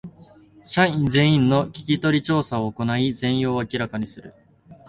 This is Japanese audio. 社員全員の聞き取り調査を行い全容を明らかにする